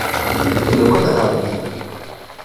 Tu li ku dixebitî?